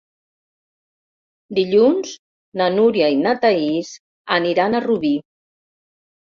Dilluns na Núria i na Thaís aniran a Rubí.